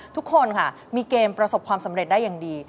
ทุกคนค่ะมีเกมประสบความสำเร็จได้อย่างดี